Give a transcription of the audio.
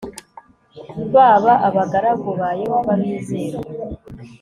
baba abagaragu ba yehova bizerwa